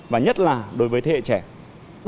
và nhất là đối với thế hệ trẻ